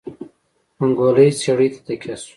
منګلی څېړۍ ته تکيه شو.